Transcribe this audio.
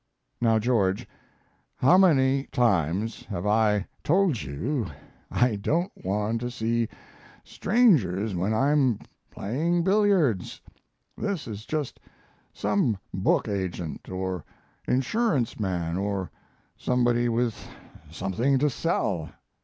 "Now, George, how many times have I told you I don't want to see strangers when I'm playing billiards! This is just some book agent, or insurance man, or somebody with something to sell.